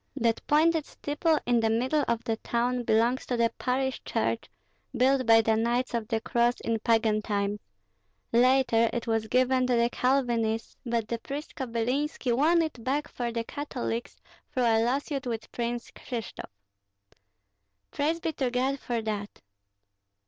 That pointed steeple in the middle of the town belongs to the parish church built by the Knights of the Cross in pagan times; later it was given to the Calvinists, but the priest Kobylinski won it back for the Catholics through a lawsuit with Prince Krishtof." "Praise be to God for that!"